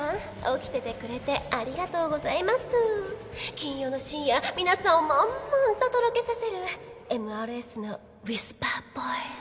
金曜の深夜皆さんをもんもんととろけさせるＭＲＳのウィスパーボイス